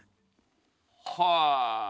はあ。